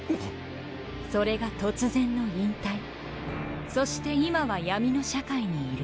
それが突然の引退そして今は闇の社会にいる。